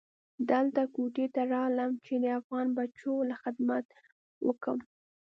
دلته کوټې ته رالم چې د افغان بچو له خدمت اوکم.